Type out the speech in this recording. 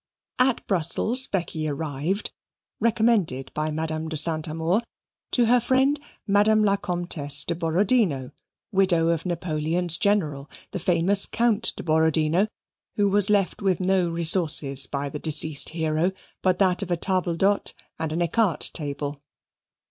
At Brussels Becky arrived, recommended by Madame de Saint Amour to her friend, Madame la Comtesse de Borodino, widow of Napoleon's General, the famous Count de Borodino, who was left with no resource by the deceased hero but that of a table d'hote and an ecarte table.